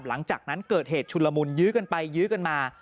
หลังจากนั้นเกิดเหตุชุนละมุนยื้อกันไปยื้อกันมา